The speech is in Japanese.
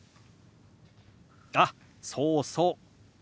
あっそうそう。